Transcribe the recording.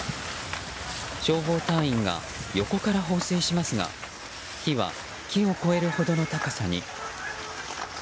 消防隊員が横から放水しますが火は木を超えるほどの高さに。